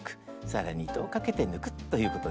更に糸をかけて抜くということになります。